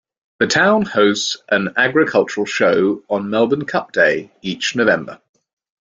The town hosts an agricultural show on Melbourne Cup day, each November.